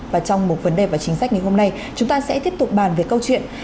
và trong một vấn đề và chính sách ngày hôm nay chúng ta sẽ tiếp tục bàn về câu chuyện